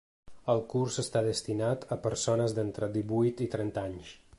El curs està destinat a persones d’entre divuit i trenta anys.